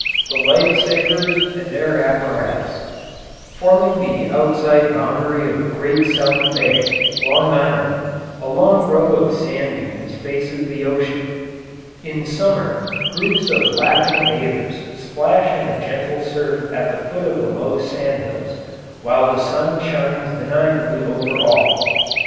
THE LIFE SAVERS AND THEIR APPARATUS Forming the outside boundary of Great South Bay, Long Island, a long row of sand dunes faces the ocean. In summer groups of laughing bathers splash in the gentle surf at the foot of the low sand hills, while the sun shines benignly over all.